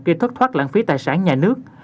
gây thất thoát lãng phí tài sản nhà nước